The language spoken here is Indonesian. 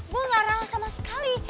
gue gak rawa sama sekali